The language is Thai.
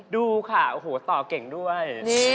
ดูค่ะโอ้โหต่อเก่งด้วย